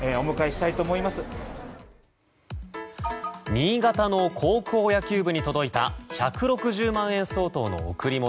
新潟の高校野球部に届いた１６０万円相当の贈り物。